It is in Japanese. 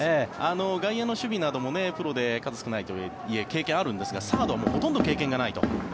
外野の守備などもプロなどで数少ないとはいえ経験があるんですがサードはほとんど経験がないと。